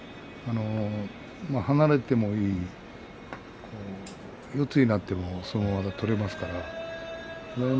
離れてもいい四つになっても相撲が取れますから。